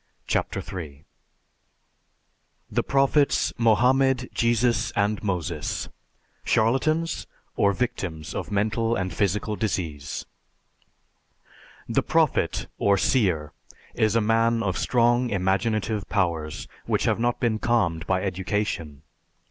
CHAPTER III THE PROPHETS MOHAMMED, JESUS, AND MOSES CHARLATANS OR VICTIMS OF MENTAL AND PHYSICAL DISEASE _The prophet or seer is a man of strong imaginative powers, which have not been calmed by education.